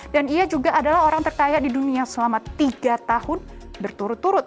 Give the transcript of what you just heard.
dan ia juga adalah orang terkaya di dunia selama tiga tahun berturut turut